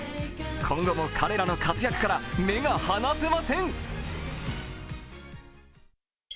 今後も彼らの活躍から目が離せません。